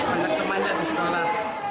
angkat temannya di sekolah